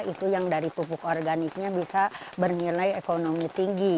itu yang dari pupuk organiknya bisa bernilai ekonomi tinggi